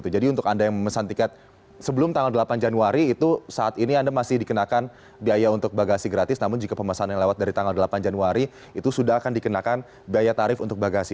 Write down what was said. jadi untuk anda yang memesan tiket sebelum tanggal delapan januari itu saat ini anda masih dikenakan biaya untuk bagasi gratis namun jika pemesan yang lewat dari tanggal delapan januari itu sudah akan dikenakan biaya tarif untuk bagasi